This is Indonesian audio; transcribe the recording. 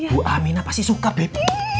bu aminah pasti suka beb